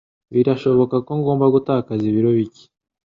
Birashoboka ko ngomba gutakaza ibiro bike.